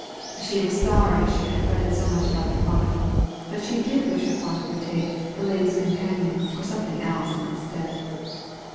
She was sorry she had fretted so much about the Chronicle; but she did wish her father would take the "Ladies' Companion," or something else, in its stead.